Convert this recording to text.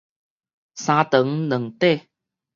三長兩短